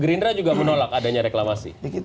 gerindra juga menolak adanya reklamasi